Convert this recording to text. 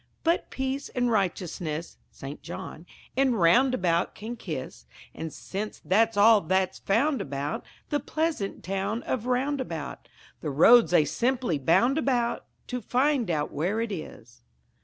But peace and righteousness (St. John) In Roundabout can kiss, And since that's all that's found about The pleasant town of Roundabout, The roads they simply bound about To find out where it is.